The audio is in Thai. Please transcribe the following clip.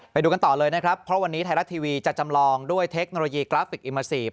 ไปดูกันต่อเลยนะครับเพราะวันนี้ไทยรัฐทีวีจะจำลองด้วยเทคโนโลยีกราฟิกอิมาซีฟ